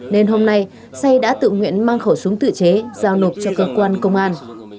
nên hôm nay say đã tự nguyện mang khẩu súng tự chế giao nộp cho cơ quan công an